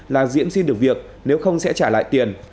là diễn xin được việc nếu không sẽ trả lại tiền